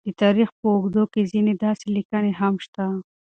د تاریخ په اوږدو کې ځینې داسې لیکنې هم شته،